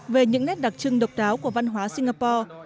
về những nét đặc trưng độc đáo của văn hóa singapore